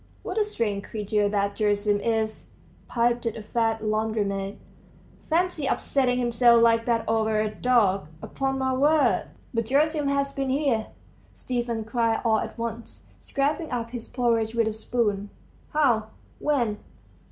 "What a strange creature that Gerasim is!" piped a fat laundrymaid; "fancy, upsetting himself like that over a dog. ... Upon my word!" "But Gerasim has been here," Stepan cried all at once, scraping up his porridge with a spoon. "How? when?"